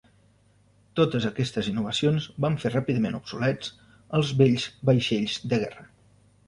Totes aquestes innovacions van fer ràpidament obsolets als vells vaixells de guerra.